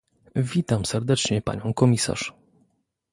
Witam serdecznie panią komisarz!